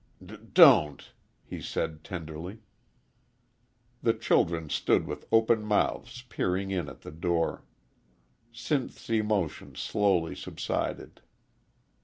"D don't," he said, tenderly. The children stood with open mouths peering in at the door. Sinth's emotion slowly subsided.